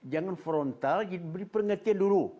jangan frontal diberi pengertian dulu